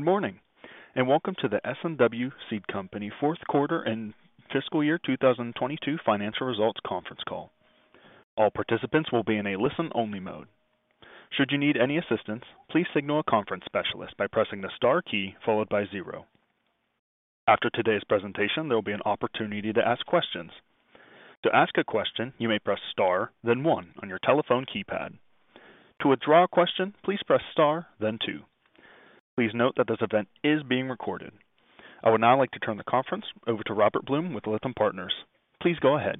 Good morning, and welcome to the S&W Seed Company Q4 and fiscal year 2022 financial results conference call. All participants will be in a listen-only mode. Should you need any assistance, please signal a conference specialist by pressing the star key followed by zero. After today's presentation, there will be an opportunity to ask questions. To ask a question, you may press star then one on your telephone keypad. To withdraw a question, please press star then two. Please note that this event is being recorded. I would now like to turn the conference over to Robert Blum with Lytham Partners. Please go ahead.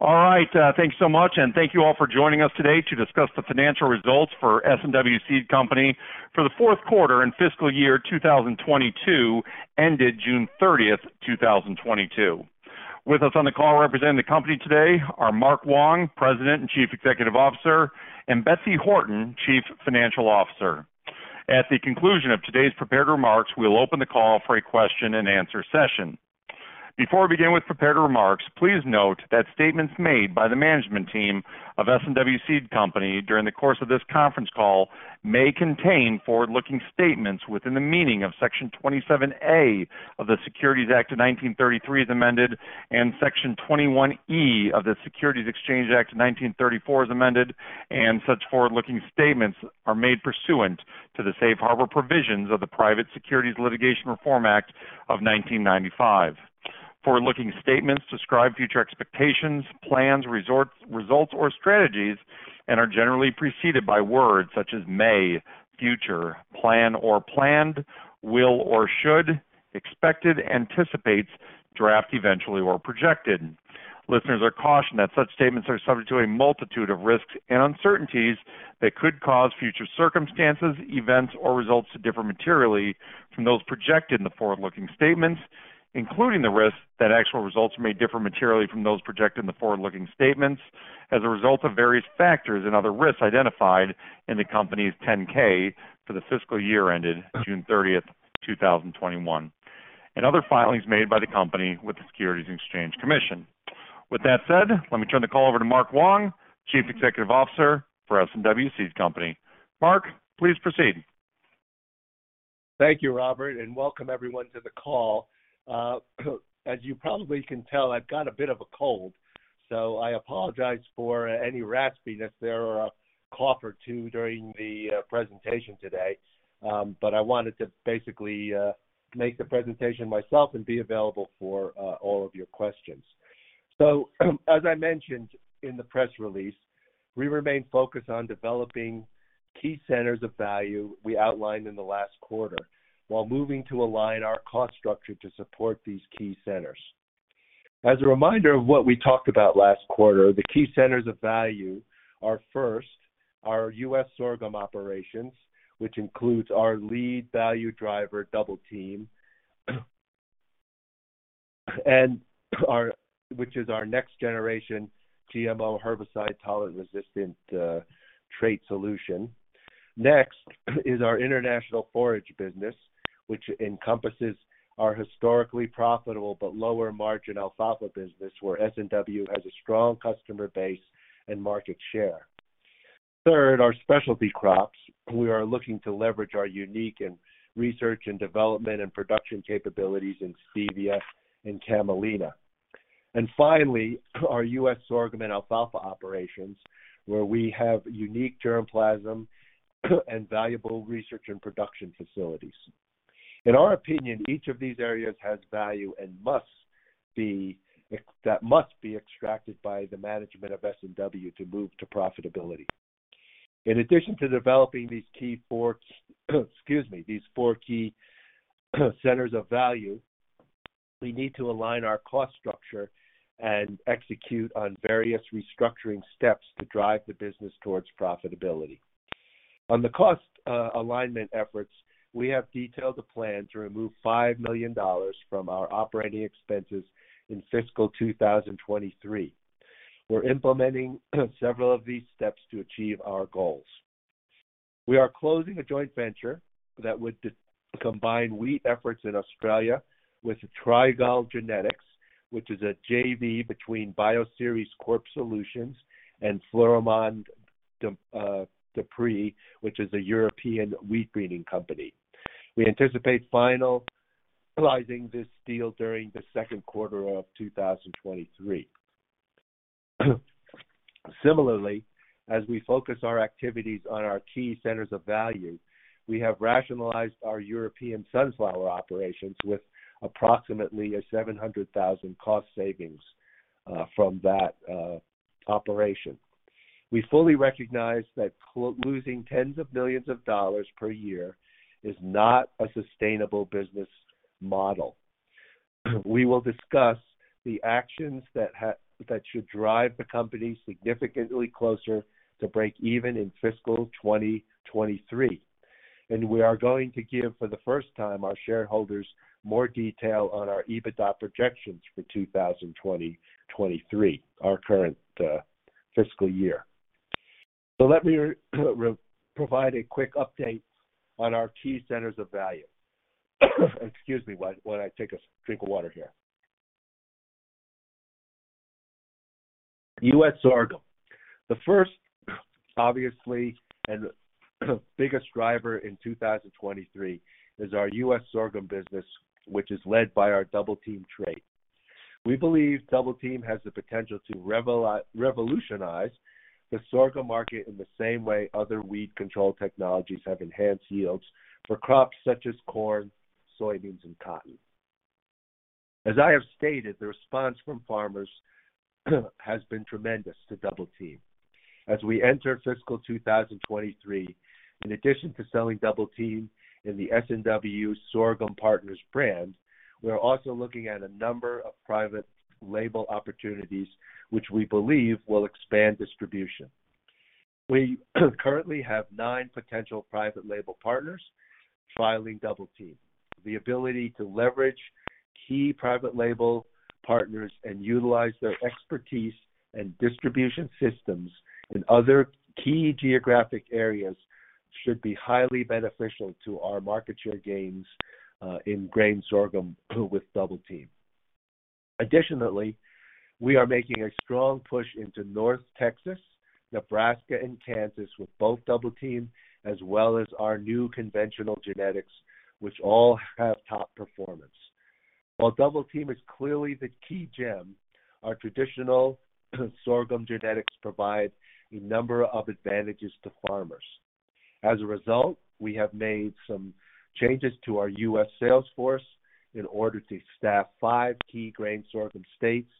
All right. Thanks so much, and thank you all for joining us today to discuss the financial results for S&W Seed Company for the Q4 and fiscal year 2022, ended June 30, 2022. With us on the call representing the company today are Mark Wong, President and Chief Executive Officer, and Betsy Horton, Chief Financial Officer. At the conclusion of today's prepared remarks, we'll open the call for a question and answer session. Before we begin with prepared remarks, please note that statements made by the management team of S&W Seed Company during the course of this conference call may contain forward-looking statements within the meaning of Section 27A of the Securities Act of 1933 as amended, and Section 21E of the Securities Exchange Act of 1934 as amended, and such forward-looking statements are made pursuant to the safe harbor provisions of the Private Securities Litigation Reform Act of 1995. Forward-looking statements describe future expectations, plans, results, or strategies and are generally preceded by words such as may, future, plan or planned, will or should, expected, anticipates, intend, estimate, or projected. Listeners are cautioned that such statements are subject to a multitude of risks and uncertainties that could cause future circumstances, events, or results to differ materially from those projected in the forward-looking statements, including the risk that actual results may differ materially from those projected in the forward-looking statements as a result of various factors and other risks identified in the company's 10-K for the fiscal year ended June 30, 2021 and other filings made by the company with the Securities and Exchange Commission. With that said, let me turn the call over to Mark Wong, Chief Executive Officer for S&W Seed Company. Mark, please proceed. Thank you, Robert, and welcome everyone to the call. As you probably can tell, I've got a bit of a cold, so I apologize for any raspiness or a cough or two during the presentation today. I wanted to basically make the presentation myself and be available for all of your questions. As I mentioned in the press release, we remain focused on developing key centers of value we outlined in the last quarter while moving to align our cost structure to support these key centers. As a reminder of what we talked about last quarter, the key centers of value are, first, our U.S. sorghum operations, which includes our lead value driver, Double Team, which is our next generation GMO herbicide tolerant resistant trait solution. Next is our international forage business, which encompasses our historically profitable but lower-margin alfalfa business, where S&W has a strong customer base and market share. Third, our specialty crops. We are looking to leverage our unique R&D and production capabilities in stevia and camelina. Finally, our U.S. sorghum and alfalfa operations, where we have unique germplasm and valuable research and production facilities. In our opinion, each of these areas has value that must be extracted by the management of S&W to move to profitability. In addition to developing these key four, excuse me, these four key centers of value, we need to align our cost structure and execute on various restructuring steps to drive the business towards profitability. On the cost alignment efforts, we have detailed a plan to remove $5 million from our operating expenses in fiscal 2023. We're implementing several of these steps to achieve our goals. We are closing a joint venture that would de-combine wheat efforts in Australia with the Trigall Genetics, which is a JV between Bioceres Crop Solutions and Florimond Desprez, which is a European wheat breeding company. We anticipate finalizing this deal during the Q2 of 2023. Similarly, as we focus our activities on our key centers of value, we have rationalized our European sunflower operations with approximately $700,000 cost savings from that operation. We fully recognize that losing tens of millions of dollars per year is not a sustainable business model. We will discuss the actions that should drive the company significantly closer to break even in fiscal 2023. We are going to give, for the first time, our shareholders more detail on our EBITDA projections for 2023, our current fiscal year. Let me provide a quick update on our key centers of value. Excuse me while I take a drink of water here. U.S. sorghum. The first, obviously, and biggest driver in 2023 is our U.S. sorghum business, which is led by our Double Team trait. We believe Double Team has the potential to revolutionize the sorghum market in the same way other weed control technologies have enhanced yields for crops such as corn, soybeans, and cotton. As I have stated, the response from farmers has been tremendous to Double Team. As we enter fiscal 2023, in addition to selling Double Team in the S&W Sorghum Partners brand, we are also looking at a number of private label opportunities, which we believe will expand distribution. We currently have nine potential private label partners selling Double Team. The ability to leverage key private label partners and utilize their expertise and distribution systems in other key geographic areas should be highly beneficial to our market share gains in grain sorghum with Double Team. Additionally, we are making a strong push into North Texas, Nebraska, and Kansas with both Double Team as well as our new conventional genetics, which all have top performance. While Double Team is clearly the key gem, our traditional sorghum genetics provide a number of advantages to farmers. As a result, we have made some changes to our U.S. sales force in order to staff five key grain sorghum states,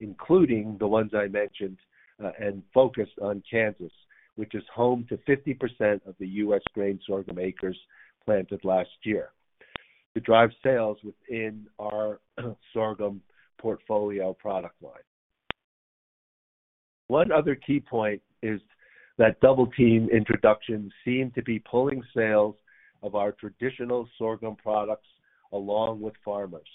including the ones I mentioned, and focus on Kansas, which is home to 50% of the U.S. grain sorghum acres planted last year to drive sales within our sorghum portfolio product line. One other key point is that Double Team introductions seem to be pulling sales of our traditional sorghum products along with farmers.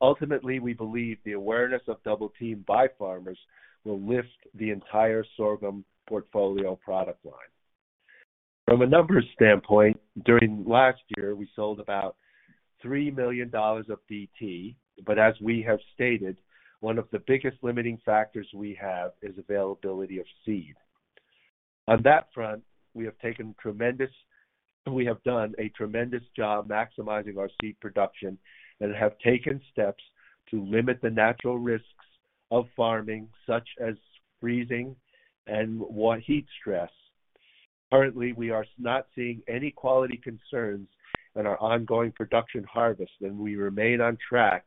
Ultimately, we believe the awareness of Double Team by farmers will lift the entire sorghum portfolio product line. From a numbers standpoint, during last year, we sold about $3 million of DT, but as we have stated, one of the biggest limiting factors we have is availability of seed. On that front, we have done a tremendous job maximizing our seed production and have taken steps to limit the natural risks of farming, such as freezing and heat stress. Currently, we are not seeing any quality concerns in our ongoing production harvest, and we remain on track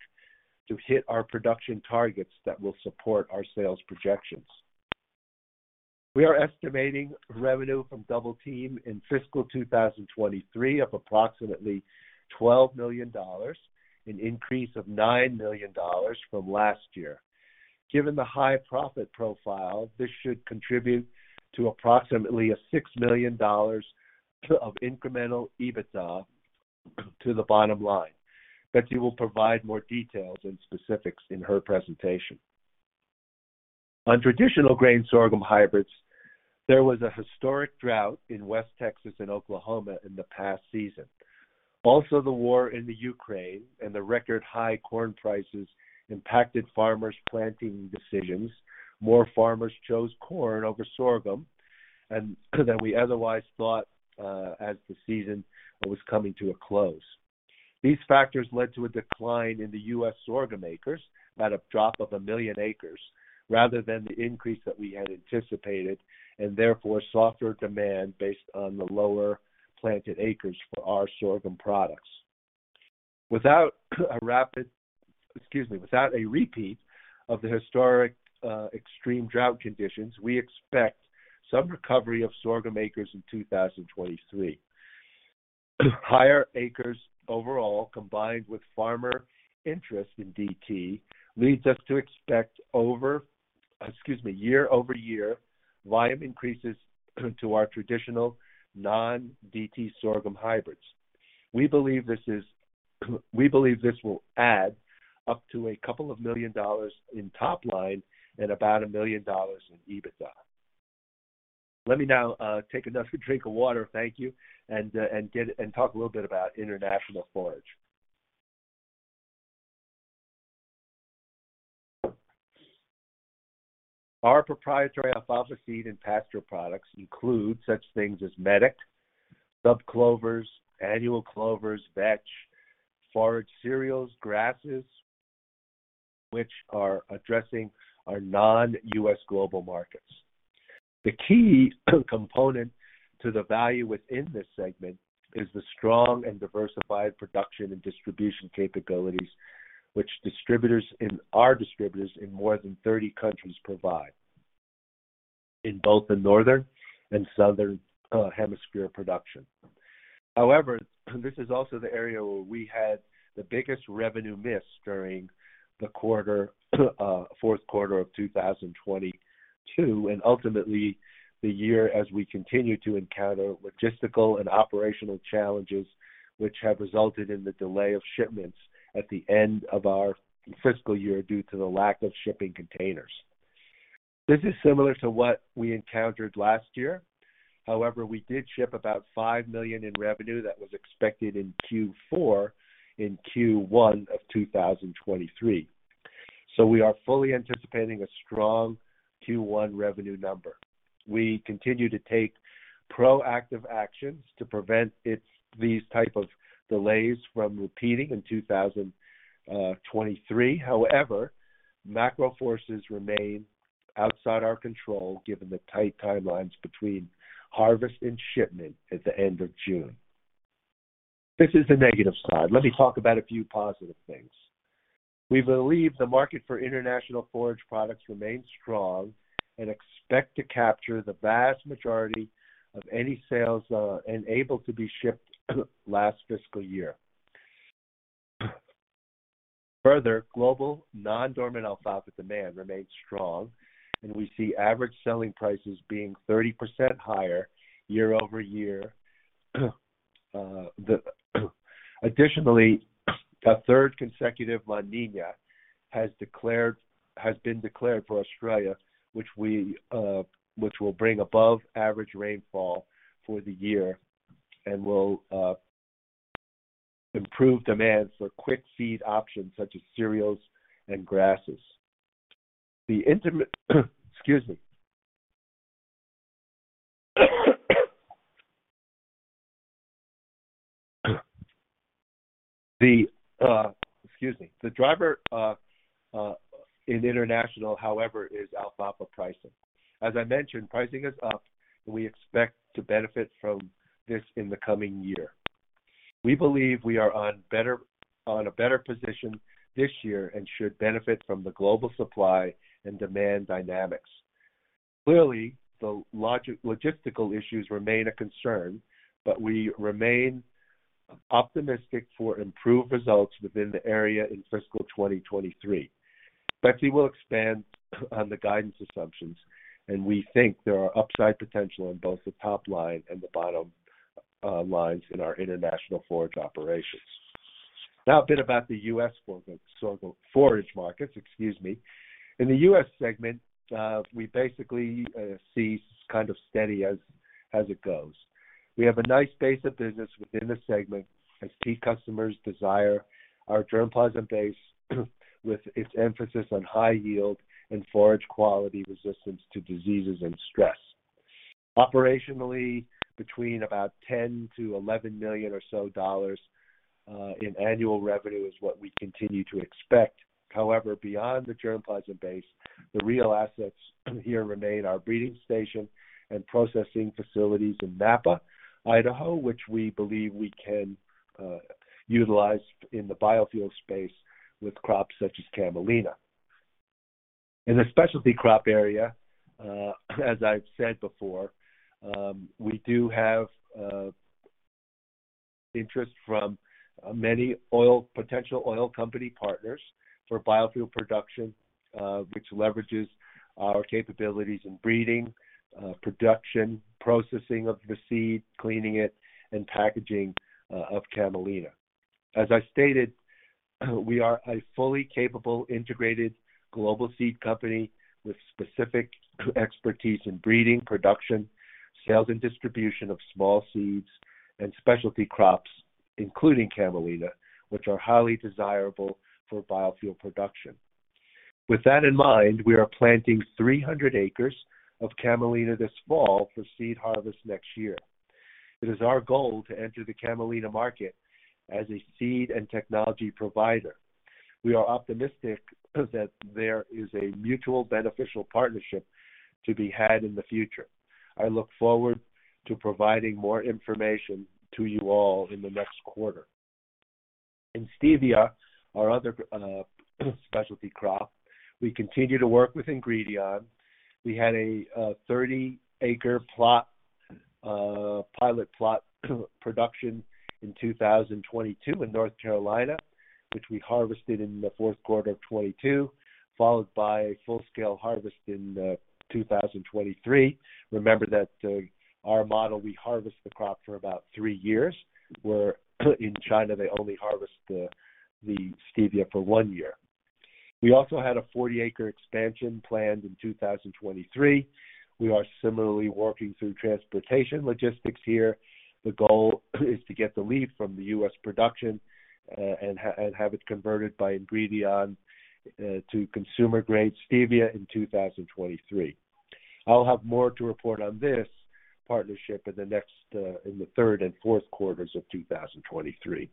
to hit our production targets that will support our sales projections. We are estimating revenue from Double Team in fiscal 2023 of approximately $12 million, an increase of $9 million from last year. Given the high profit profile, this should contribute to approximately $6 million of incremental EBITDA to the bottom line. Betsy will provide more details and specifics in her presentation. On traditional grain sorghum hybrids, there was a historic drought in West Texas and Oklahoma in the past season. Also, the war in the Ukraine and the record high corn prices impacted farmers' planting decisions. More farmers chose corn over sorghum than we otherwise thought, as the season was coming to a close. These factors led to a decline in the U.S. sorghum acres at a drop of 1 million acres rather than the increase that we had anticipated, and therefore, softer demand based on the lower planted acres for our sorghum products. Without a repeat of the historic, extreme drought conditions, we expect some recovery of sorghum acres in 2023. Higher acres overall, combined with farmer interest in DT, leads us to expect year-over-year volume increases to our traditional non-DT sorghum hybrids. We believe this will add up to a couple of million dollars in top line and about a million dollars in EBITDA. Let me now take another drink of water. Thank you. Talk a little bit about international forage. Our proprietary alfalfa seed and pasture products include such things as medic, sub clovers, annual clovers, vetch, forage cereals, grasses, which are addressing our non-U.S. global markets. The key component to the value within this segment is the strong and diversified production and distribution capabilities which our distributors in more than 30 countries provide in both the northern and southern hemisphere production. However, this is also the area where we had the biggest revenue miss during the quarter, Q4 of 2022, and ultimately the year as we continue to encounter logistical and operational challenges which have resulted in the delay of shipments at the end of our fiscal year due to the lack of shipping containers. This is similar to what we encountered last year. However, we did ship about $5 million in revenue that was expected in Q4 in Q1 of 2023. We are fully anticipating a strong Q1 revenue number. We continue to take proactive actions to prevent these type of delays from repeating in 2023. However, macro forces remain outside our control given the tight timelines between harvest and shipment at the end of June. This is the negative side. Let me talk about a few positive things. We believe the market for international forage products remains strong and expect to capture the vast majority of any sales and able to be shipped last fiscal year. Further, global non-dormant alfalfa demand remains strong, and we see average selling prices being 30% higher year-over-year. Additionally, a third consecutive La Niña has been declared for Australia, which will bring above average rainfall for the year and will improve demand for quick seed options such as cereals and grasses. The driver in international, however, is alfalfa pricing. As I mentioned, pricing is up, and we expect to benefit from this in the coming year. We believe we are on a better position this year and should benefit from the global supply and demand dynamics. Clearly, the logistical issues remain a concern, but we remain optimistic for improved results within the area in fiscal 2023. Betsy will expand on the guidance assumptions, and we think there are upside potential in both the top line and the bottom lines in our international forage operations. Now a bit about the US sorghum forage markets, excuse me. In the US segment, we basically see kind of steady as it goes. We have a nice base of business within the segment as key customers desire our germplasm base with its emphasis on high yield and forage quality resistance to diseases and stress. Operationally, between about $10 million-$11 million or so in annual revenue is what we continue to expect. However, beyond the germplasm base, the real assets here remain our breeding station and processing facilities in Nampa, Idaho, which we believe we can utilize in the biofuel space with crops such as camelina. In the specialty crop area, as I've said before, we do have interest from many potential oil company partners for biofuel production, which leverages our capabilities in breeding, production, processing of the seed, cleaning it, and packaging of camelina. As I stated, we are a fully capable integrated global seed company with specific expertise in breeding, production, sales, and distribution of small seeds and specialty crops, including camelina, which are highly desirable for biofuel production. With that in mind, we are planting 300 acres of camelina this fall for seed harvest next year. It is our goal to enter the camelina market as a seed and technology provider. We are optimistic that there is a mutually beneficial partnership to be had in the future. I look forward to providing more information to you all in the next quarter. In stevia, our other specialty crop, we continue to work with Ingredion. We had a 30-acre plot pilot plot production in 2022 in North Carolina, which we harvested in the Q4 of 2022, followed by full-scale harvest in 2023. Remember that our model, we harvest the crop for about 3 years, where in China they only harvest the stevia for one year. We also had a 40-acre expansion planned in 2023. We are similarly working through transportation logistics here. The goal is to get the leaf from the U.S. production and have it converted by Ingredion to consumer-grade stevia in 2023. I'll have more to report on this partnership in the next, in the third and Q4s of 2023.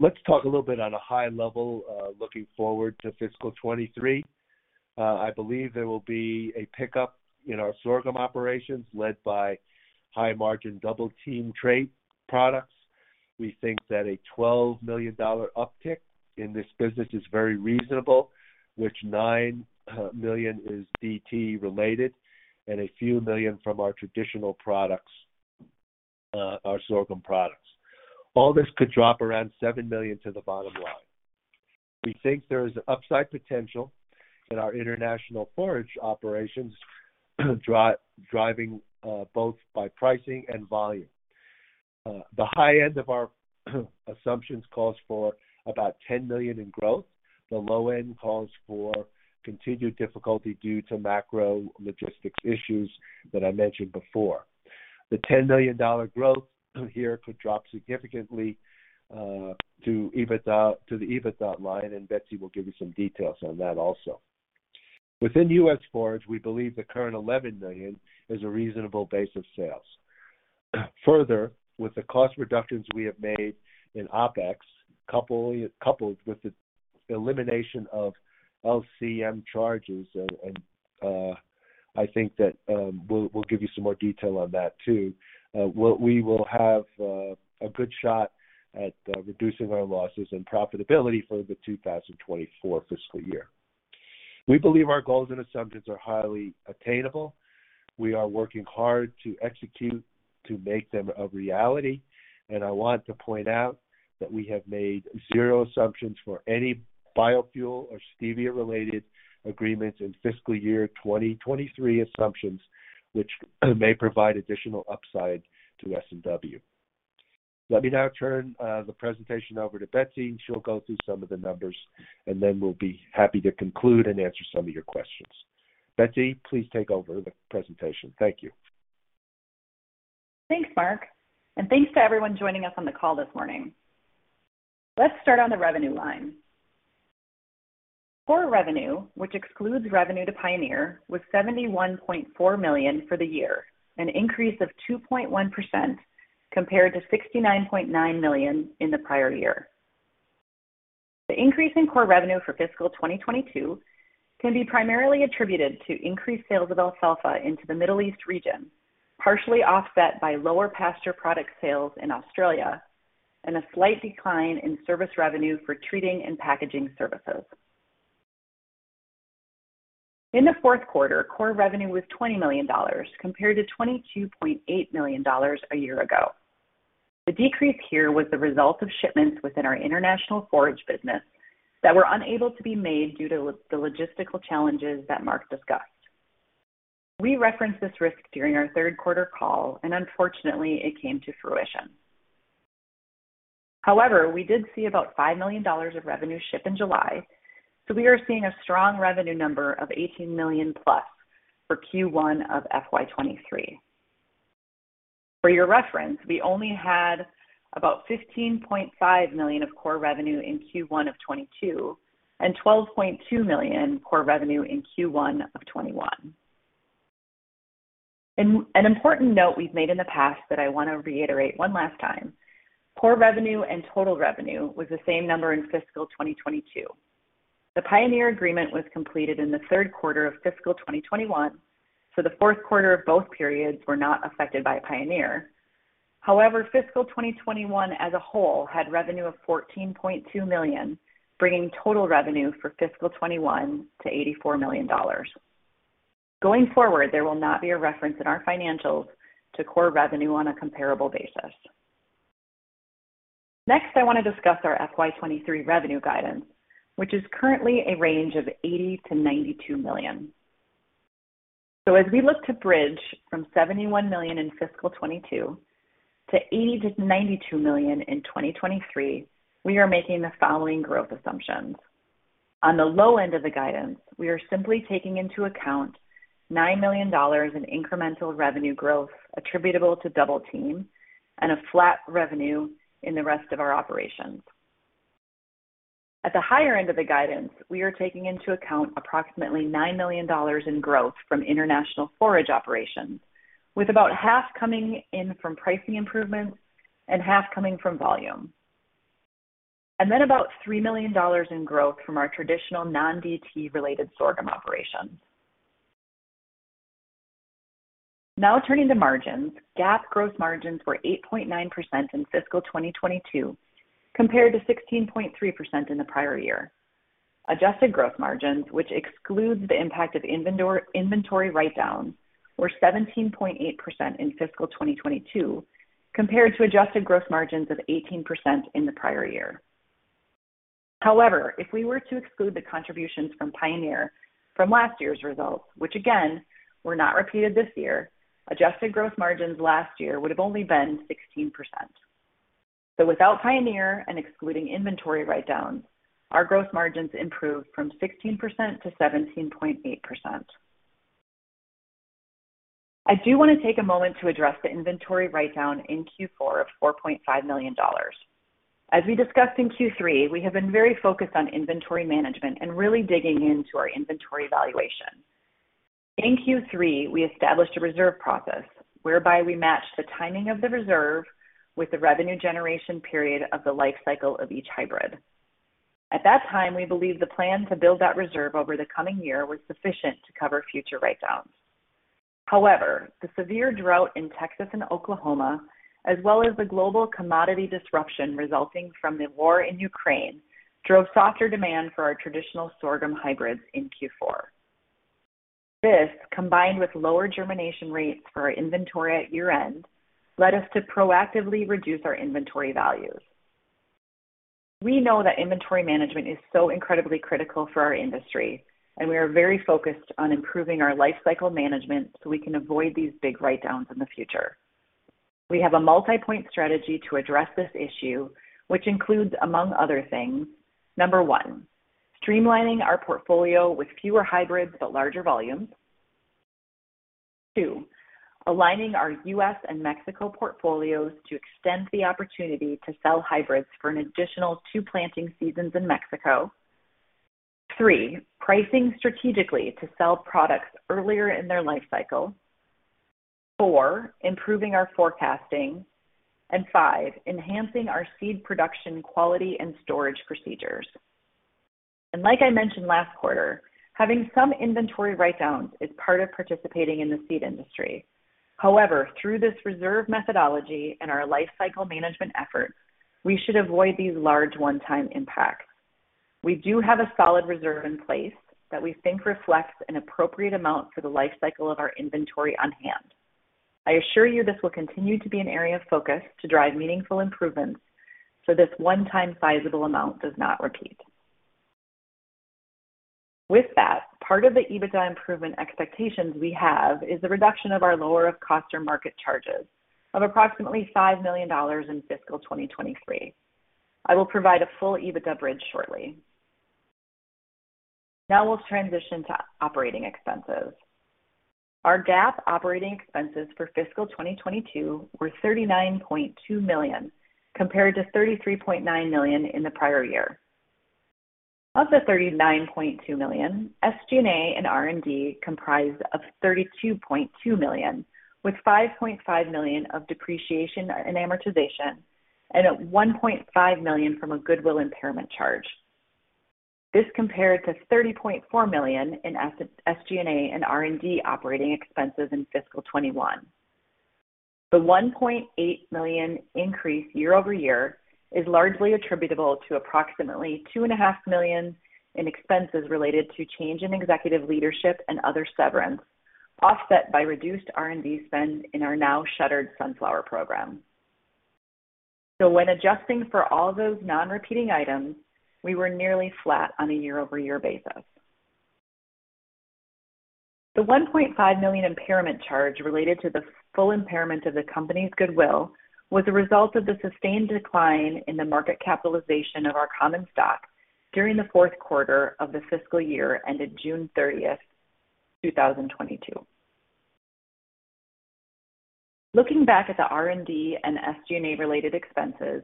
Let's talk a little bit on a high level, looking forward to fiscal 2023. I believe there will be a pickup in our sorghum operations led by high margin Double Team trait products. We think that a $12 million uptick in this business is very reasonable, which $9 million is DT related and a few million from our traditional products, our sorghum products. All this could drop around $7 million to the bottom line. We think there is upside potential in our international forage operations driving both by pricing and volume. The high end of our assumptions calls for about $10 million in growth. The low end calls for continued difficulty due to macro logistics issues that I mentioned before. The $10 million growth here could drop significantly to the EBITDA line, and Betsy will give you some details on that also. Within U.S. Forage, we believe the current $11 million is a reasonable base of sales. Further, with the cost reductions we have made in OpEx, coupled with the elimination of LCM charges, and I think that we'll give you some more detail on that too. What we will have a good shot at reducing our losses and profitability for the 2024 fiscal year. We believe our goals and assumptions are highly attainable. We are working hard to execute to make them a reality. I want to point out that we have made zero assumptions for any biofuel or stevia-related agreements in fiscal year 2023, assumptions which may provide additional upside to S&W. Let me now turn the presentation over to Betsy, and she'll go through some of the numbers, and then we'll be happy to conclude and answer some of your questions. Betsy, please take over the presentation. Thank you. Thanks, Mark, and thanks to everyone joining us on the call this morning. Let's start on the revenue line. Core revenue, which excludes revenue to Pioneer, was $71.4 million for the year, an increase of 2.1% compared to $69.9 million in the prior year. The increase in core revenue for fiscal 2022 can be primarily attributed to increased sales of alfalfa into the Middle East region, partially offset by lower pasture product sales in Australia and a slight decline in service revenue for treating and packaging services. In the Q4, core revenue was $20 million compared to $22.8 million a year ago. The decrease here was the result of shipments within our international forage business that were unable to be made due to the logistical challenges that Mark discussed. We referenced this risk during our Q3 call, and unfortunately it came to fruition. However, we did see about $5 million of revenue ship in July, so we are seeing a strong revenue number of $18 million-plus for Q1 of FY 2023. For your reference, we only had about $15.5 million of core revenue in Q1 of 2022 and $12.2 million core revenue in Q1 of 2021. An important note we've made in the past that I want to reiterate one last time. Core revenue and total revenue was the same number in fiscal 2022. The Pioneer agreement was completed in the Q3 of fiscal 2021, so the Q4 of both periods were not affected by Pioneer. However, fiscal 2021 as a whole had revenue of $14.2 million, bringing total revenue for fiscal 2021 to $84 million. Going forward, there will not be a reference in our financials to core revenue on a comparable basis. Next, I want to discuss our FY 2023 revenue guidance, which is currently a range of $80 million-$92 million. As we look to bridge from $71 million in fiscal 2022 to $80 million-$92 million in 2023, we are making the following growth assumptions. On the low end of the guidance, we are simply taking into account $9 million in incremental revenue growth attributable to Double Team and a flat revenue in the rest of our operations. At the higher end of the guidance, we are taking into account approximately $9 million in growth from international forage operations, with about half coming in from pricing improvements and half coming from volume. About $3 million in growth from our traditional non-DT related sorghum operations. Now turning to margins. GAAP gross margins were 8.9% in fiscal 2022 compared to 16.3% in the prior year. Adjusted gross margins, which excludes the impact of inventory write-downs, were 17.8% in fiscal 2022 compared to adjusted gross margins of 18% in the prior year. However, if we were to exclude the contributions from Pioneer from last year's results, which again were not repeated this year, adjusted gross margins last year would have only been 16%. Without Pioneer and excluding inventory write-down, our gross margins improved from 16%-17.8%. I do want to take a moment to address the inventory write-down in Q4 of $4.5 million. As we discussed in Q3, we have been very focused on inventory management and really digging into our inventory valuation. In Q3, we established a reserve process whereby we matched the timing of the reserve with the revenue generation period of the life cycle of each hybrid. At that time, we believed the plan to build that reserve over the coming year was sufficient to cover future write-downs. However, the severe drought in Texas and Oklahoma, as well as the global commodity disruption resulting from the war in Ukraine, drove softer demand for our traditional sorghum hybrids in Q4. This, combined with lower germination rates for our inventory at year-end, led us to proactively reduce our inventory values. We know that inventory management is so incredibly critical for our industry, and we are very focused on improving our life cycle management so we can avoid these big write-downs in the future. We have a multi-point strategy to address this issue, which includes, among other things, number one, streamlining our portfolio with fewer hybrids but larger volumes. Two, aligning our U.S. and Mexico portfolios to extend the opportunity to sell hybrids for an additional two planting seasons in Mexico. Three, pricing strategically to sell products earlier in their life cycle. Four, improving our forecasting. And five, enhancing our seed production quality and storage procedures. Like I mentioned last quarter, having some inventory write-downs is part of participating in the seed industry. However, through this reserve methodology and our lifecycle management efforts, we should avoid these large one-time impacts. We do have a solid reserve in place that we think reflects an appropriate amount for the lifecycle of our inventory on hand. I assure you this will continue to be an area of focus to drive meaningful improvements so this one-time sizable amount does not repeat. With that, part of the EBITDA improvement expectations we have is the reduction of our lower of cost or market charges of approximately $5 million in fiscal 2023. I will provide a full EBITDA bridge shortly. Now we'll transition to operating expenses. Our GAAP operating expenses for fiscal 2022 were $39.2 million, compared to $33.9 million in the prior year. Of the $39.2 million, SG&A and R&D comprised $32.2 million, with $5.5 million of depreciation and amortization and $1.5 million from a goodwill impairment charge. This compared to $30.4 million in SG&A and R&D operating expenses in fiscal 2021. The $1.8 million increase year-over-year is largely attributable to approximately $2.5 million in expenses related to change in executive leadership and other severance, offset by reduced R&D spend in our now shuttered sunflower program. When adjusting for all those non-recurring items, we were nearly flat on a year-over-year basis. The $1.5 million impairment charge related to the full impairment of the company's goodwill was a result of the sustained decline in the market capitalization of our common stock during the Q4 of the fiscal year ended June 30, 2022. Looking back at the R&D and SG&A-related expenses,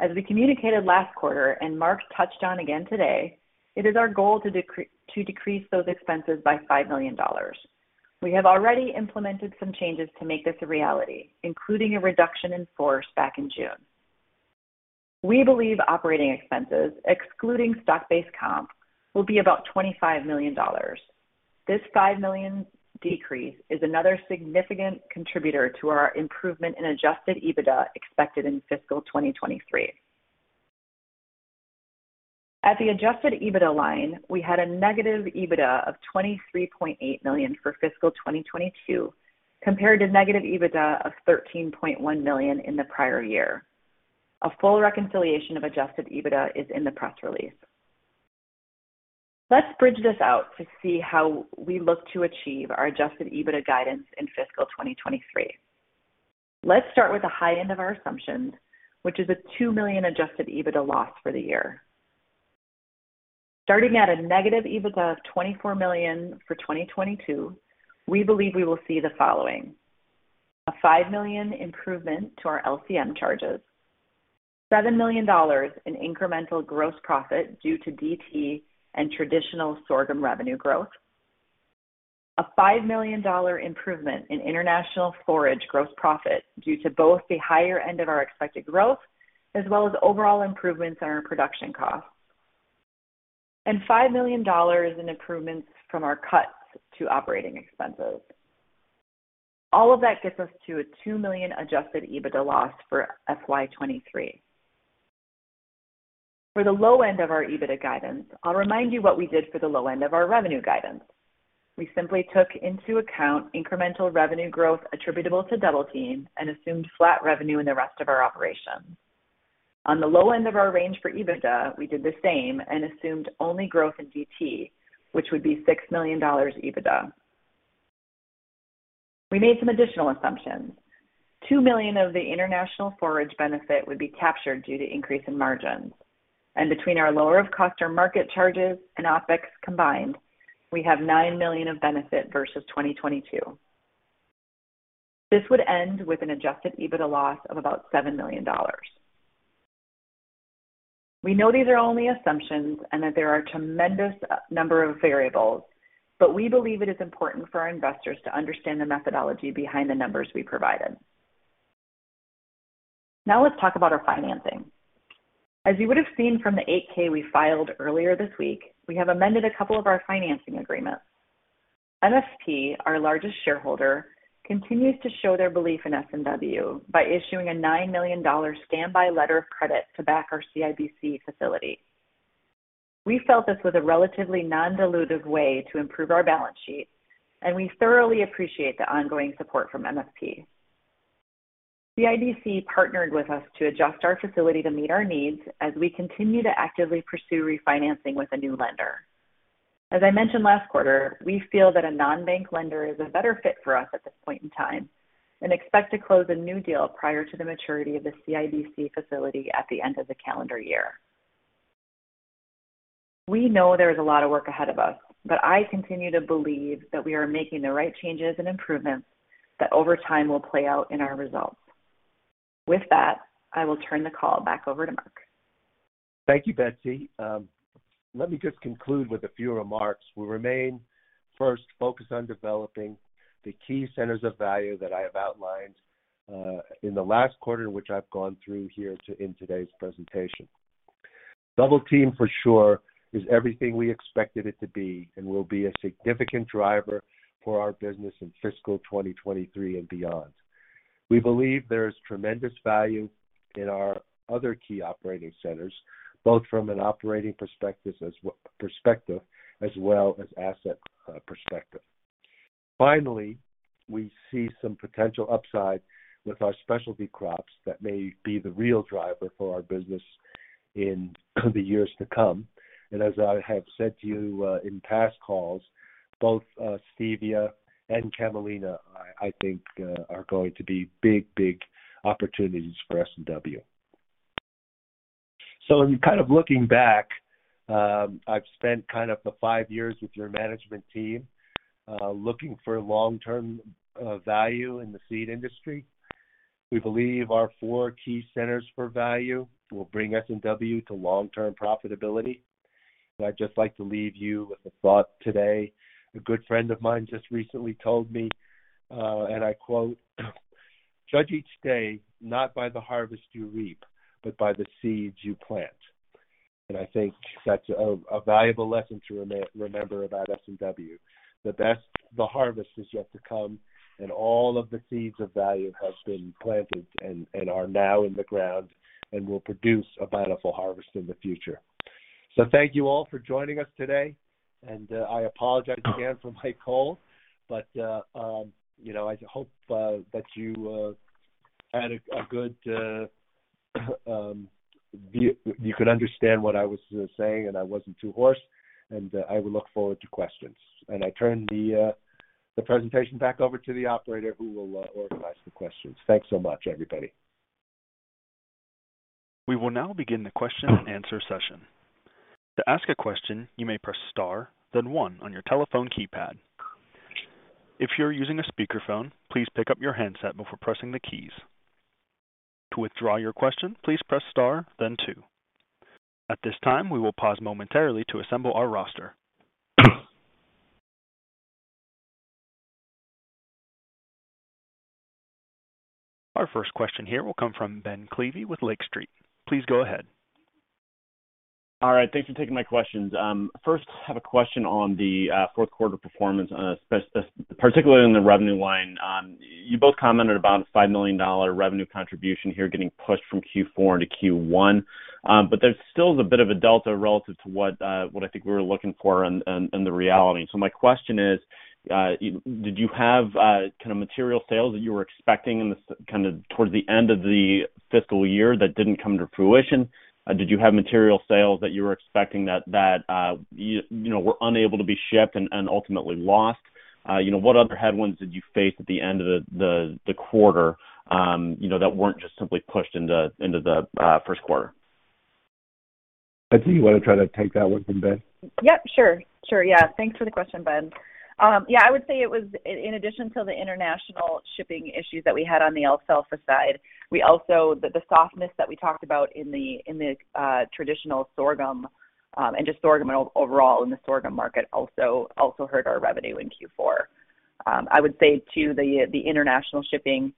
as we communicated last quarter and Mark touched on again today, it is our goal to decrease those expenses by $5 million. We have already implemented some changes to make this a reality, including a reduction in force back in June. We believe operating expenses, excluding stock-based comp, will be about $25 million. This $5 million decrease is another significant contributor to our improvement in adjusted EBITDA expected in fiscal 2023. At the adjusted EBITDA line, we had a negative EBITDA of $23.8 million for fiscal 2022, compared to negative EBITDA of $13.1 million in the prior year. A full reconciliation of adjusted EBITDA is in the press release. Let's bridge this out to see how we look to achieve our adjusted EBITDA guidance in fiscal 2023. Let's start with the high end of our assumptions, which is a $2 million adjusted EBITDA loss for the year. Starting at a negative EBITDA of $24 million for 2023, we believe we will see the following. A $5 million improvement to our LCM charges, $7 million in incremental gross profit due to DT and traditional sorghum revenue growth. A $5 million improvement in international forage gross profit due to both the higher end of our expected growth as well as overall improvements in our production costs. $5 million in improvements from our cuts to operating expenses. All of that gets us to a $2 million adjusted EBITDA loss for FY23. For the low end of our EBITDA guidance, I'll remind you what we did for the low end of our revenue guidance. We simply took into account incremental revenue growth attributable to Double Team and assumed flat revenue in the rest of our operations. On the low end of our range for EBITDA, we did the same and assumed only growth in DT, which would be $6 million EBITDA. We made some additional assumptions. $2 million of the international forage benefit would be captured due to increase in margins. Between our lower of cost or market charges and OpEx combined, we have $9 million of benefit versus 2022. This would end with an adjusted EBITDA loss of about $7 million. We know these are only assumptions and that there are a tremendous number of variables, but we believe it is important for our investors to understand the methodology behind the numbers we provided. Now let's talk about our financing. As you would have seen from the 8-K we filed earlier this week, we have amended a couple of our financing agreements. MFP, our largest shareholder, continues to show their belief in S&W by issuing a $9 million standby letter of credit to back our CIBC facility. We felt this was a relatively non-dilutive way to improve our balance sheet, and we thoroughly appreciate the ongoing support from MFP. CIBC partnered with us to adjust our facility to meet our needs as we continue to actively pursue refinancing with a new lender. As I mentioned last quarter, we feel that a non-bank lender is a better fit for us at this point in time and expect to close a new deal prior to the maturity of the CIBC facility at the end of the calendar year. We know there is a lot of work ahead of us, but I continue to believe that we are making the right changes and improvements that over time will play out in our results. With that, I will turn the call back over to Mark. Thank you, Betsy. Let me just conclude with a few remarks. We remain first focused on developing the key centers of value that I have outlined in the last quarter, which I've gone through here in today's presentation. Double Team, for sure, is everything we expected it to be and will be a significant driver for our business in fiscal 2023 and beyond. We believe there is tremendous value in our other key operating centers, both from an operating perspective as well as asset perspective. Finally, we see some potential upside with our specialty crops that may be the real driver for our business in the years to come. As I have said to you in past calls, both stevia and camelina, I think, are going to be big, big opportunities for S&W. In kind of looking back, I've spent kind of the five years with your management team, looking for long-term value in the seed industry. We believe our four key centers for value will bring S&W to long-term profitability. I'd just like to leave you with a thought today. A good friend of mine just recently told me, and I quote, "Judge each day not by the harvest you reap, but by the seeds you plant." I think that's a valuable lesson to remember about S&W. The harvest is yet to come, and all of the seeds of value have been planted and are now in the ground and will produce a bountiful harvest in the future. Thank you all for joining us today, and I apologize again for my cold. you know, I hope that you had a good view. You could understand what I was saying and I wasn't too hoarse, and I would look forward to questions. I turn the presentation back over to the operator, who will organize the questions. Thanks so much, everybody. We will now begin the question and answer session. To ask a question, you may press Star, then One on your telephone keypad. If you're using a speakerphone, please pick up your handset before pressing the keys. To withdraw your question, please press Star then Two. At this time, we will pause momentarily to assemble our roster. Our first question here will come from Ben Klieve with Lake Street. Please go ahead. All right. Thanks for taking my questions. First, have a question on the Q4 performance, particularly in the revenue line. You both commented about a $5 million revenue contribution here getting pushed from Q4 into Q1. There still is a bit of a delta relative to what I think we were looking for in reality. My question is, did you have kind of material sales that you were expecting in the kind of towards the end of the fiscal year that didn't come to fruition? Did you have material sales that you were expecting that you know, were unable to be shipped and ultimately lost? You know, what other headwinds did you face at the end of the quarter that weren't just simply pushed into the Q1? Betsy, you want to try to take that one from Ben? Yeah. Thanks for the question, Ben. I would say it was in addition to the international shipping issues that we had on the alfalfa side, the softness that we talked about in the traditional sorghum and just sorghum overall in the sorghum market also hurt our revenue in Q4. I would say too, the international shipping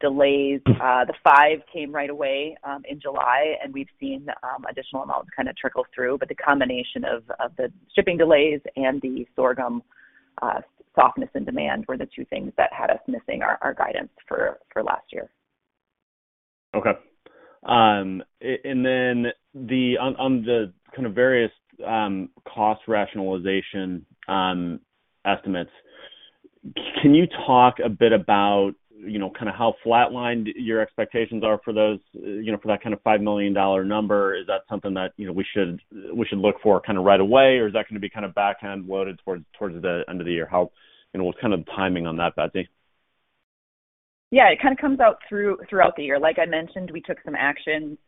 delays, the 5 came right away in July, and we've seen additional amounts kind of trickle through. The combination of the shipping delays and the sorghum softness in demand were the two things that had us missing our guidance for last year. Okay. Then on the kind of various cost rationalization estimates, can you talk a bit about kind of how flatlined your expectations are for those for that kind of $5 million number? Is that something that we should look for kind of right away, or is that going to be kind of back-end loaded towards the end of the year? how what's kind of the timing on that, Betsy? Yeah, it kind of comes out throughout the year. Like I mentioned, we took some action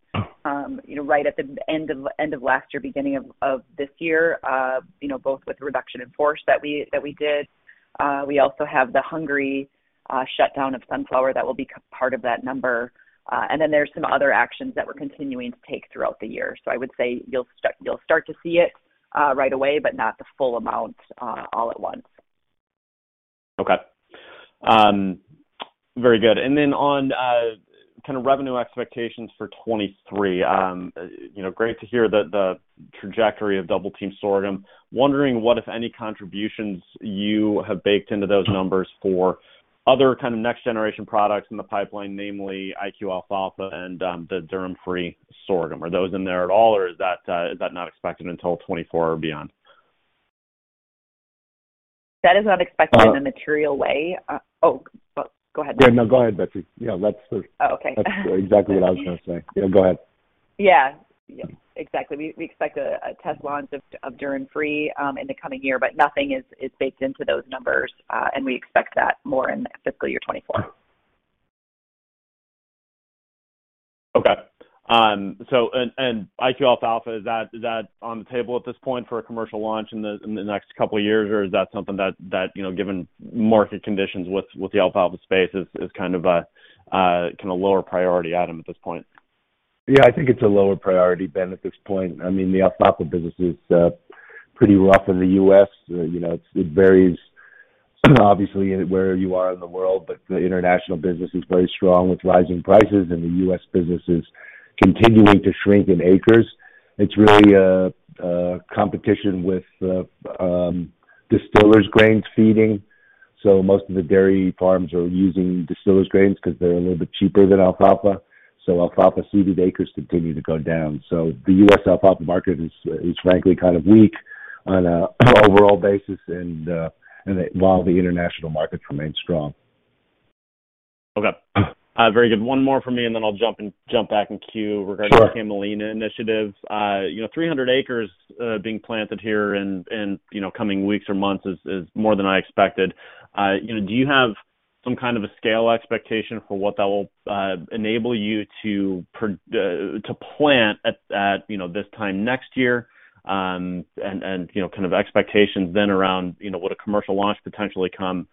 right at the end of last year, beginning of this year both with the reduction in force that we did. We also have the Hungary shutdown of sunflower that will be part of that number. And then there's some other actions that we're continuing to take throughout the year. I would say you'll start to see it right away, but not the full amount all at once. Okay. Very good. Then on kind of revenue expectations for 2023 great to hear the trajectory of Double Team sorghum. Wondering what, if any, contributions you have baked into those numbers for other kind of next-generation products in the pipeline, namely IQ Alfalfa and the dhurrin-free sorghum. Are those in there at all, or is that not expected until 2024 or beyond? That is unexpected in a material way. Go ahead. Yeah, no, go ahead, Betsy. Oh, okay. That's exactly what I was gonna say. Yeah, go ahead. Yeah. Yeah, exactly. We expect a test launch of DhurrinFree in the coming year, but nothing is baked into those numbers, and we expect that more in fiscal year 2024. Okay. IQ Alfalfa, is that on the table at this point for a commercial launch in the next couple of years? Or is that something that you know, given market conditions with the alfalfa space is kind of a kind of lower priority item at this point? Yeah, I think it's a lower priority, Ben, at this point. I mean, the alfalfa business is pretty rough in the U.S. You know, it varies obviously where you are in the world, but the international business is very strong with rising prices, and the U.S. business is continuing to shrink in acres. It's really a competition with distillers' grains feeding. Most of the dairy farms are using distillers' grains because they're a little bit cheaper than alfalfa. Alfalfa seeded acres continue to go down. The U.S. alfalfa market is frankly kind of weak on an overall basis and while the international markets remain strong. Okay. Very good. One more for me, and then I'll jump back in queue. Sure. Regarding the camelina initiative 300 acres being planted here in you know coming weeks or months is more than I expected. You know, do you have some kind of a scale expectation for what that will to plant at you know this time next year? You know kind of expectations then around you know would a commercial launch potentially come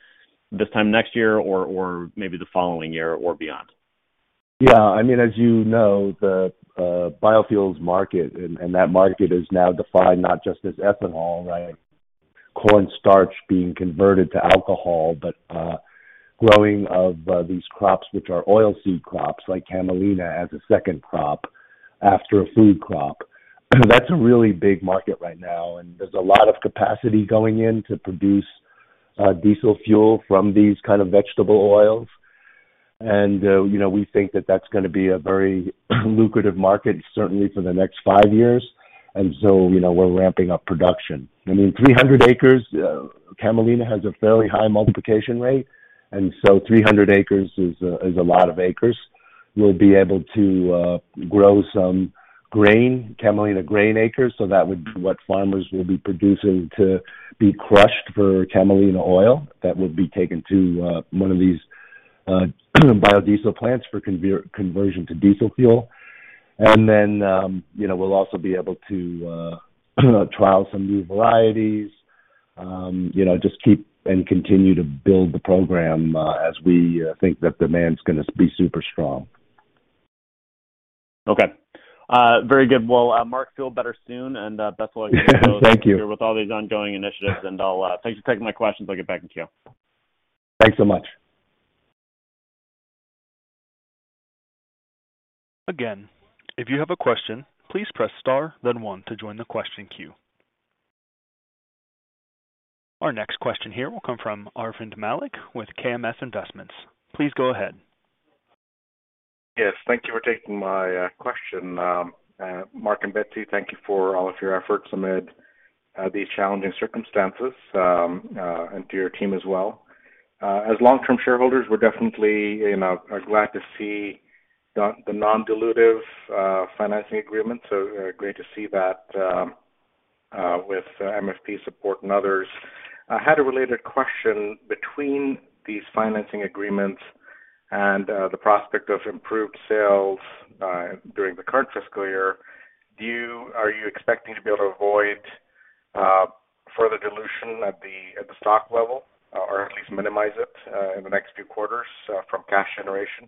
this time next year or maybe the following year or beyond? Yeah. I mean, as you know, the biofuels market, and that market is now defined not just as ethanol, right? Corn starch being converted to alcohol, but growing of these crops, which are oilseed crops like camelina as a second crop after a food crop. That's a really big market right now, and there's a lot of capacity going in to produce diesel fuel from these kind of vegetable oils. You know, we think that that's gonna be a very lucrative market certainly for the next five years. You know, we're ramping up production. I mean, 300 acres, camelina has a fairly high multiplication rate, and 300 acres is a lot of acres. We'll be able to grow some grain, camelina grain acres. That would be what farmers will be producing to be crushed for camelina oil. That would be taken to one of these biodiesel plants for conversion to diesel fuel. We'll also be able to trial some new varieties just keep and continue to build the program, as we think that demand's gonna be super strong. Okay. Very good. Well, Mark, feel better soon. Betsy- Thank you. With all these ongoing initiatives. Thanks for taking my questions. I'll get back in queue. Thanks so much. Again, if you have a question, please press star then one to join the question queue. Our next question here will come from Arvind Malik with KMS Investments. Please go ahead. Yes, thank you for taking my question. Mark and Betsy, thank you for all of your efforts amid these challenging circumstances, and to your team as well. As long-term shareholders, we're definitely are glad to see the non-dilutive financing agreement, so great to see that with MFP support and others. I had a related question between these financing agreements and the prospect of improved sales during the current fiscal year. Are you expecting to be able to avoid further dilution at the stock level, or at least minimize it in the next few quarters from cash generation?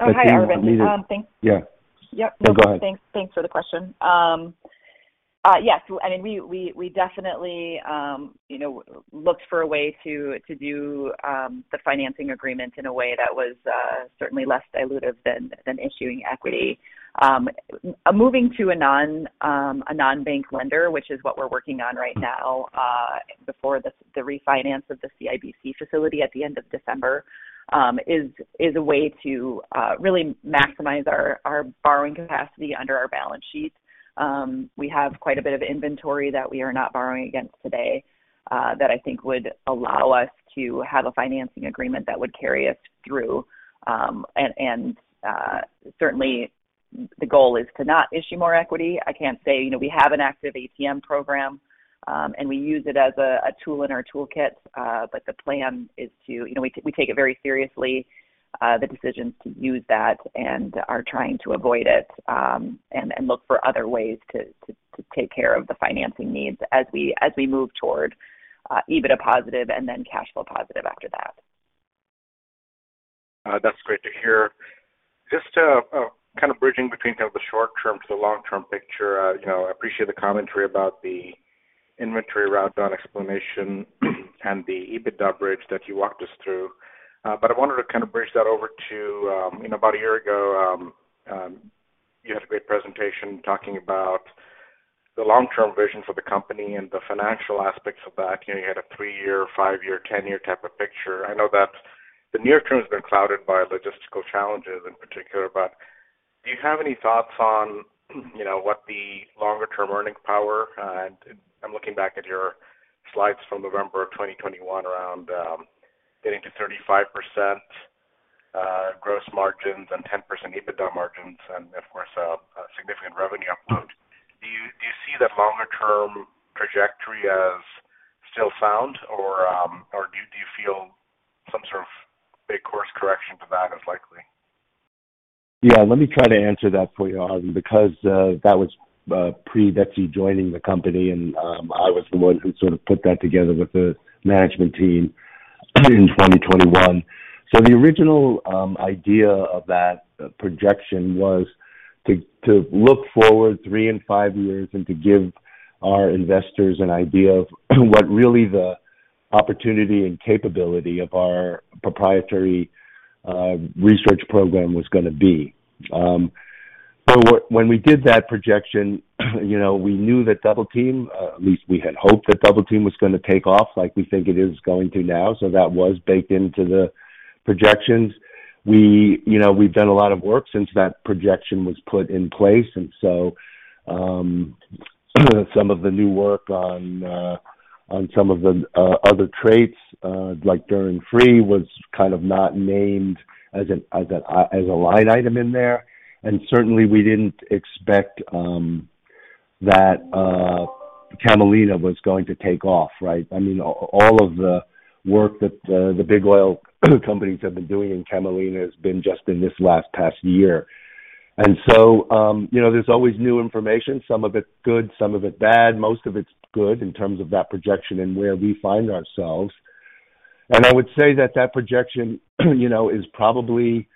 Oh, hi, Arvind. Yeah. Yeah. No, go ahead. Thanks for the question. Yes. I mean, we definitely looked for a way to do the financing agreement in a way that was certainly less dilutive than issuing equity. Moving to a non-bank lender, which is what we're working on right now, before the refinance of the CIBC facility at the end of December, is a way to really maximize our borrowing capacity under our balance sheet. We have quite a bit of inventory that we are not borrowing against today, that I think would allow us to have a financing agreement that would carry us through. Certainly the goal is to not issue more equity. I can't say. You know, we have an active ATM program, and we use it as a tool in our toolkit. The plan is we take very seriously the decisions to use that and are trying to avoid it, and look for other ways to take care of the financing needs as we move toward EBITDA positive and then cash flow positive after that. That's great to hear. Just kind of bridging between kind of the short-term to the long-term picture I appreciate the commentary about the inventory write-down explanation and the EBITDA bridge that you walked us through. I wanted to kind of bridge that over to about a year ago, you had a great presentation talking about the long-term vision for the company and the financial aspects of that. You know, you had a three-year, five-year, ten-year type of picture. I know that the near term has been clouded by logistical challenges in particular. Do you have any thoughts on what the longer term earning power? I'm looking back at your slides from November of 2021 around getting to 35% gross margins and 10% EBITDA margins and of course a significant revenue uplift. Do you see the longer-term trajectory as still sound or do you feel some sort of big course correction to that is likely? Yeah, let me try to answer that for you, Arvind Malik. Because that was pre-Betsy joining the company, and I was the one who sort of put that together with the management team in 2021. The original idea of that projection was to look forward 3 and 5 years and to give our investors an idea of what really the opportunity and capability of our proprietary research program was gonna be. When we did that projection we knew that Double Team at least we had hoped that Double Team was gonna take off like we think it is going to now. That was baked into the projections. You know, we've done a lot of work since that projection was put in place. Some of the new work on some of the other traits, like dhurrin-free, was kind of not named as a line item in there. Certainly we didn't expect that camelina was going to take off, right? I mean, all of the work that the big oil companies have been doing in camelina has been just in this past year. You know, there's always new information, some of it good, some of it bad. Most of it's good in terms of that projection and where we find ourselves. I would say that projection is probably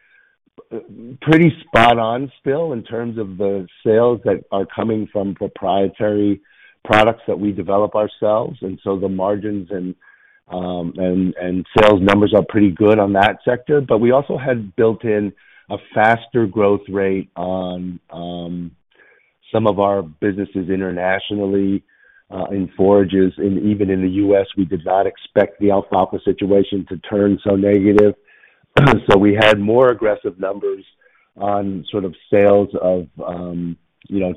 pretty spot on still in terms of the sales that are coming from proprietary products that we develop ourselves. The margins and sales numbers are pretty good on that sector. We also had built in a faster growth rate on some of our businesses internationally in forages and even in the U.S., we did not expect the alfalfa situation to turn so negative. We had more aggressive numbers on sort of sales of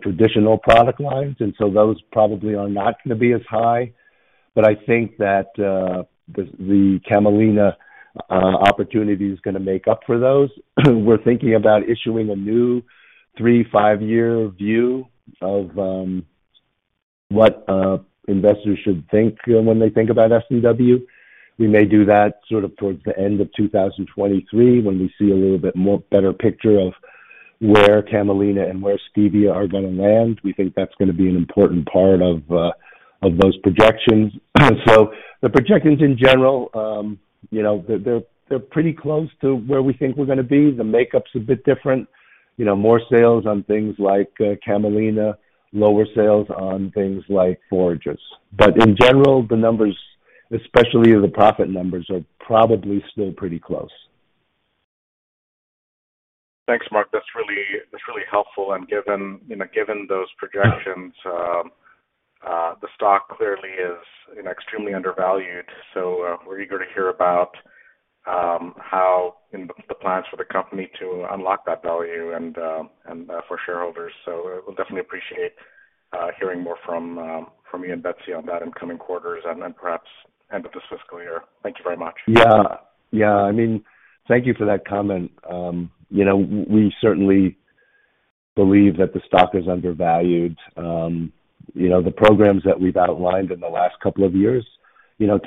traditional product lines, and so those probably are not gonna be as high. I think that the camelina opportunity is gonna make up for those. We're thinking about issuing a new 3-5-year view of what investors should think when they think about S&W. We may do that sort of towards the end of 2023 when we see a little bit more better picture of where camelina and where stevia are gonna land. We think that's gonna be an important part of those projections. The projections in general they're pretty close to where we think we're gonna be. The makeup's a bit different. You know, more sales on things like camelina, lower sales on things like forages. In general, the numbers, especially the profit numbers, are probably still pretty close. Thanks, Mark. That's really helpful. given those projections, the stock clearly is extremely undervalued. We're eager to hear about how the plans for the company to unlock that value and for shareholders. We'll definitely appreciate hearing more from you and Betsy on that in coming quarters and then perhaps the end of this fiscal year. Thank you very much. Yeah. I mean, thank you for that comment. You know, we certainly believe that the stock is undervalued. You know, the programs that we've outlined in the last couple of years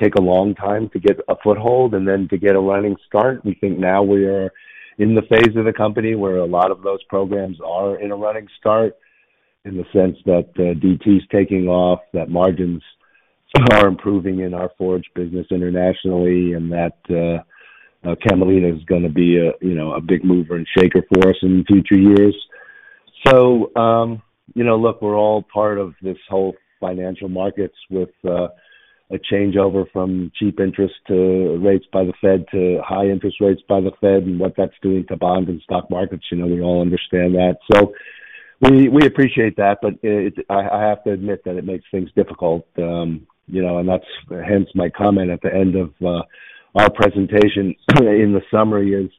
take a long time to get a foothold and then to get a running start. We think now we are in the phase of the company where a lot of those programs are in a running start in the sense that DT is taking off, that margins are improving in our forage business internationally, and that camelina is gonna be a big mover and shaker for us in future years. We're all part of this whole financial markets with a changeover from cheap interest to rates by the Fed to high interest rates by the Fed and what that's doing to bond and stock markets. You know, we all understand that. We appreciate that. But it, I have to admit that it makes things difficult. You know, and that's hence my comment at the end of our presentation in the summary is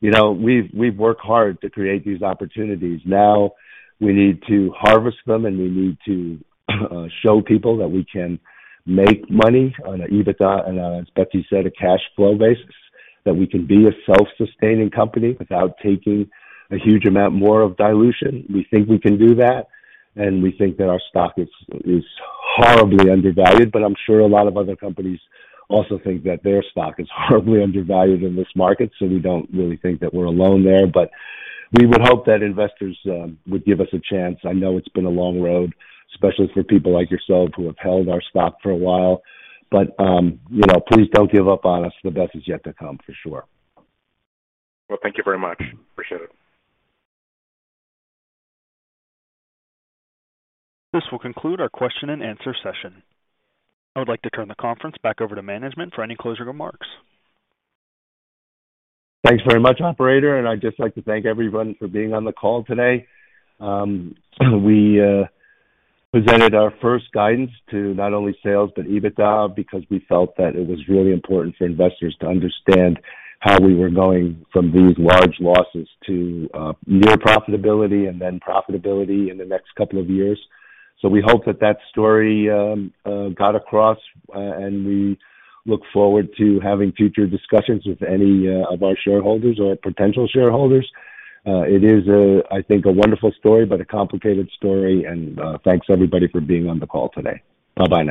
we've worked hard to create these opportunities. Now we need to harvest them, and we need to show people that we can make money on an EBITDA and, as Betsy said, a cash flow basis, that we can be a self-sustaining company without taking a huge amount more of dilution. We think we can do that, and we think that our stock is horribly undervalued. I'm sure a lot of other companies also think that their stock is horribly undervalued in this market. We don't really think that we're alone there. We would hope that investors would give us a chance. I know it's been a long road, especially for people like yourself who have held our stock for a while, but you know, please don't give up on us. The best is yet to come for sure. Well, thank you very much. Appreciate it. This will conclude our question and answer session. I would like to turn the conference back over to management for any closing remarks. Thanks very much, operator, and I'd just like to thank everyone for being on the call today. We presented our first guidance to not only sales but EBITDA because we felt that it was really important for investors to understand how we were going from these large losses to near profitability and then profitability in the next couple of years. We hope that story got across, and we look forward to having future discussions with any of our shareholders or potential shareholders. It is, I think, a wonderful story, but a complicated story. Thanks everybody for being on the call today. Bye bye now.